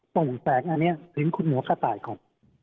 ตรงแสงอันนี้ถึงคุณหมอข้าต่ายของ